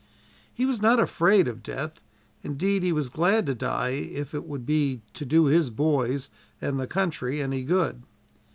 He was not afraid of death indeed, he was glad to die if it would do his "boys" and the country any good.